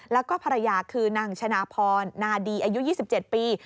แล้วก็ภรรยาคือนางชนะพรนาดีอายุ๒๗ปี